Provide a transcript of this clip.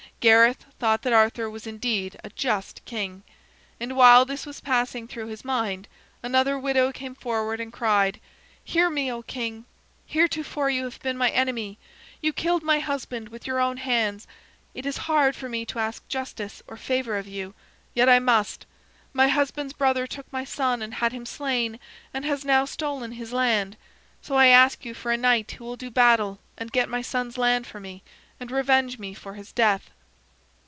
Gareth thought that Arthur was indeed a just king. And while this was passing through his mind, another widow came forward and cried: "Hear me, oh, King! Heretofore you have been my enemy. You killed my husband with your own hands. It is hard for me to ask justice or favor of you. Yet I must. My husband's brother took my son and had him slain, and has now stolen his land. So I ask you for a knight who will do battle and get my son's land for me, and revenge me for his death."